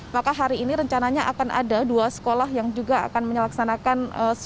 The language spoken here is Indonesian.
maka hari ini rencananya akan ada dua sekolah yang juga akan menyelaksanakan